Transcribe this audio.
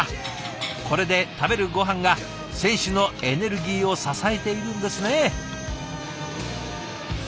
これで食べるごはんが選手のエネルギーを支えているんですね。